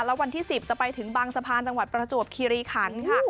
แล้ววันที่๑๐จะไปถึงบางสะพานจังหวัดประจวบคิริขันค่ะ